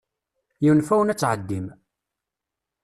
Yunef-awen ad tɛeddim.